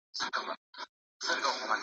چي له دنیا نه ارمانجن راغلی یمه